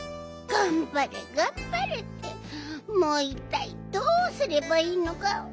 がんばれがんばれってもういったいどうすればいいのかわかんないよ！